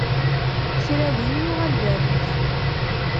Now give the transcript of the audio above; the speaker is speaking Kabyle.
Kra din yuɣal berrik.